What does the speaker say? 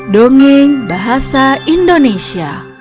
dongeng bahasa indonesia